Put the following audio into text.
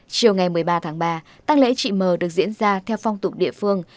chiều ngày một mươi ba tháng ba tăng lễ chị m được diễn ra theo phong tục địa phương